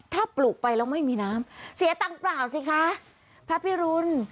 ถ้าปลูกไปแล้วไม่มีน้ำเสียตังค์เปล่าสิคะพระพิรุณ